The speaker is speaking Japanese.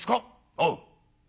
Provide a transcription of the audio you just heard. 「おう」。